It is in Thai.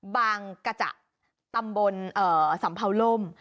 บางกจะตำบลสัมพาลม